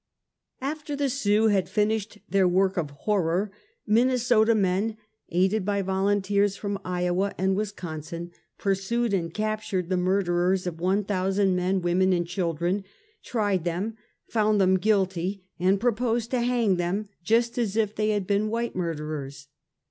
After the Sioux had finished their work of horror, Minnesota men, aided by volunteers from Iowa and Wisconsin, pursued and captured the murderers of one thousand men, women and children; tried them, found them guilty, and proposed to hang them just as if they had been white murderers.